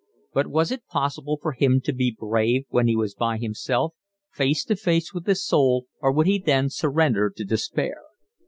But was it possible for him to be brave when he was by himself, face to face with his soul, or would he then surrender to despair?